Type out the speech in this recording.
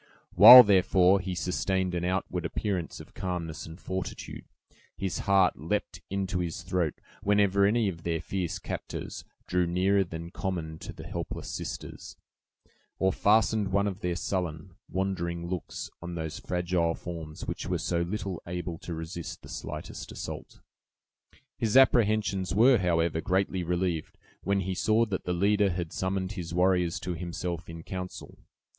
While, therefore, he sustained an outward appearance of calmness and fortitude, his heart leaped into his throat, whenever any of their fierce captors drew nearer than common to the helpless sisters, or fastened one of their sullen, wandering looks on those fragile forms which were so little able to resist the slightest assault. His apprehensions were, however, greatly relieved, when he saw that the leader had summoned his warriors to himself in counsel.